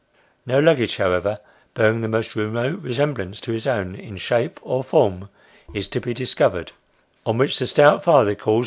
No luggage, however, bearing the most remote resemblance to his own, in shape or form, is to be discovered ; on which the stout father calls The Stout FatJier.